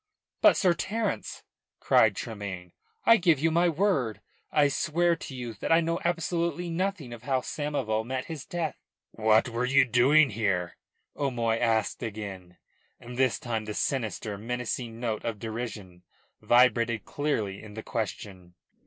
"But, Sir Terence," cried Tremayne, "I give you my word I swear to you that I know absolutely nothing of how Samoval met his death." "What were you doing here?" O'Moy asked again, and this time the sinister, menacing note of derision vibrated clearly in the question.